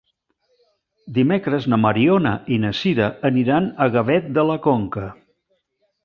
Dimecres na Mariona i na Sira aniran a Gavet de la Conca.